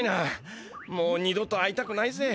もう二度と会いたくないぜ。